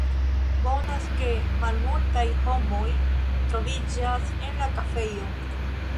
Bonas ke malmultaj homoj troviĝas en la kafejo.